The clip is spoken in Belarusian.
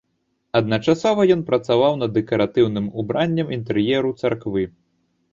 Адначасова ён працаваў над дэкаратыўным убраннем інтэр'еру царквы.